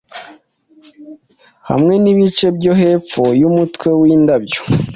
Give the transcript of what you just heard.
hamwe nibice byo hepfo yumutwe windabyo